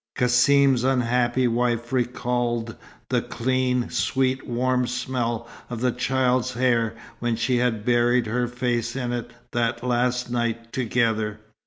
Cassim's unhappy wife recalled the clean, sweet, warm smell of the child's hair when she had buried her face in it that last night together.